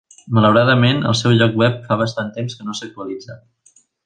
Malauradament, el seu lloc web fa bastant temps que no s'actualitza.